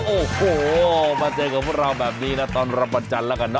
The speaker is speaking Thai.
โอ้โหมาเจอกับพวกเราแบบนี้นะตอนรับวันจันทร์แล้วกันนะ